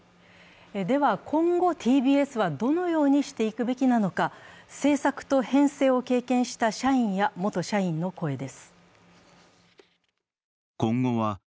では、今後、ＴＢＳはどのようにしていくべきなのか、制作と編成を経験した社員や元社員の声です。